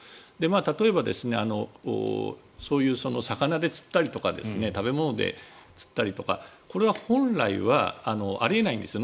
例えば、そういう魚で釣ったりとか食べ物で釣ったりとかこれは本来はあり得ないんですよ